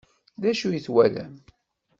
D acu i twalam?